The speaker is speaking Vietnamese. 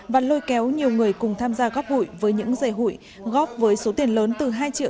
và lôi kéo nhiều người cùng tham gia góp hủy với những dây hủy góp với số tiền lớn từ hai triệu